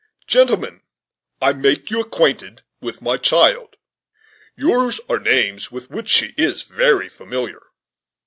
Gentlemen, I make you acquainted with my child. Yours are names with which she is very familiar."